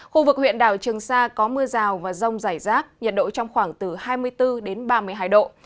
khu vực huyện đảo trường sa có mưa rào và rông rải rác nhiệt độ trong khoảng từ hai mươi bốn đến ba mươi hai độ